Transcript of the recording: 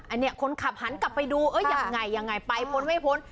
อันนี้คนขับหันกลับไปดูยังไงยังไงไปพ้นไม่พ้น